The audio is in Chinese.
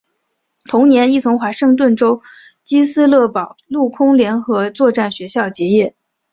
同年亦从华盛顿州基斯勒堡陆空联合作战学校结业。